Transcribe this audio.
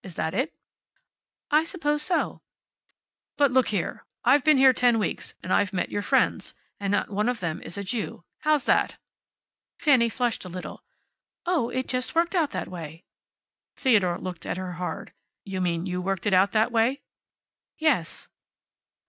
Is that it?" "I suppose so." "But look here. I've been here ten weeks, and I've met your friends, and not one of them is a Jew. How's that?" Fanny flushed a little. "Oh, it just worked out that way." Theodore looked at her hard. "You mean you worked it out that way?" "Yes."